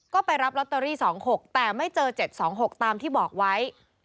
ก็ไปรับลอตเตอรี่๒๖แต่ไม่เจอ๗๒๖ตามที่บอกไว้